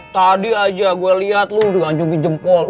tadi aja gua liat lu diganjungin jempol